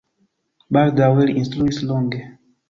Baldaŭe li instruis longe.